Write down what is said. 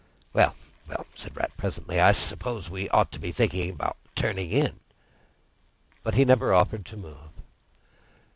"Well, well," said the Rat presently, "I suppose we ought to be thinking about turning in." But he never offered to move.